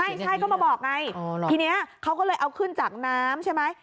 ไม่ใช่ก็มาบอกไงทีนี้เขาก็เลยเอาขึ้นจากน้ำใช่ไหม